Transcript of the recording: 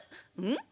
うん？